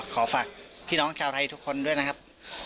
ขอฝากพี่น้องชาวไทยทุกคนด้วยนะครับ